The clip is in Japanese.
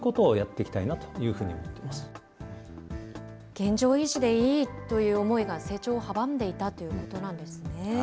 現状維持でいいという思いが成長を阻んでいたということなんですね。